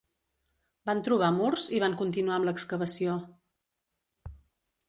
Van trobar murs i van continuar amb l'excavació.